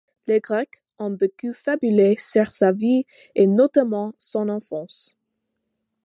Les Grecs ont beaucoup fabulé sur sa vie et notamment son enfance.